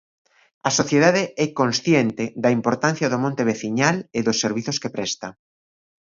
A sociedade é consciente da importancia do monte veciñal e dos servizos que presta?